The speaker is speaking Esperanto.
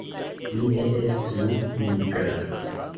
Mi ne estu pigra!